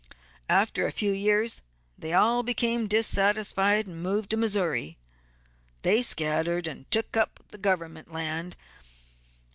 After a few years they all became dissatisfied, and moved to Missouri. They scattered, and took up government land.